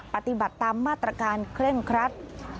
ปฏิบัติตามมาตรการเคร่งครัด